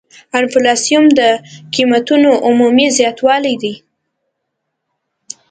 انفلاسیون د قیمتونو عمومي زیاتوالی دی.